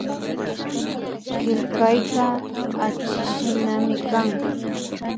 Killkayka achikshinami kan